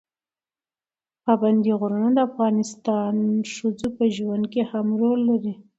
پابندي غرونه د افغان ښځو په ژوند کې هم رول لري.